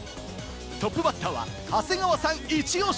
トップバッターは長谷川さんイチオシ！